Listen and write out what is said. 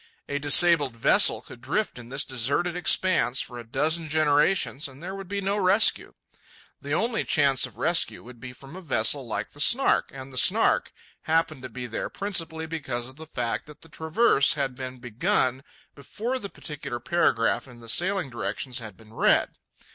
A disabled vessel could drift in this deserted expanse for a dozen generations, and there would be no rescue. The only chance of rescue would be from a vessel like the Snark, and the Snark happened to be there principally because of the fact that the traverse had been begun before the particular paragraph in the sailing directions had been read.